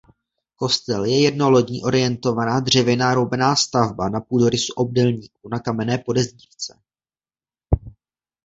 Kostel je jednolodní orientovaná dřevěná roubená stavba na půdorysu obdélníku na kamenné podezdívce.